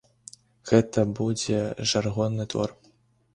Гэта будзе жаргонны твор.